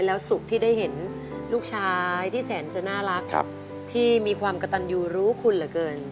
แล้วสุขที่ได้เห็นลูกชายที่แสนจะน่ารักที่มีความกระตันยูรู้คุณเหลือเกิน